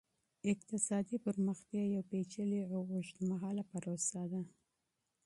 اقتصادي پرمختيا يوه پېچلې او اوږدمهاله پروسه ده.